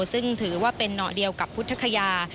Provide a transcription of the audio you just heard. ซึ่งถือว่าเป็นเหนาะเดียวกับพุทธคยา